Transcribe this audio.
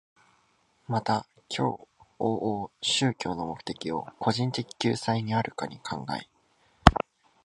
また今日往々宗教の目的を個人的救済にあるかに考え、